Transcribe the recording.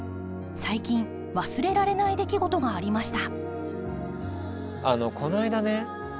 最近忘れられない出来事がありました。